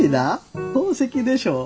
宝石でしょ。